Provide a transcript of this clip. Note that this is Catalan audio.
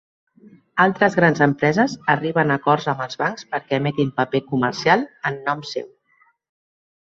Altres grans empreses arriben a acords amb els bancs perquè emetin paper comercial en nom seu.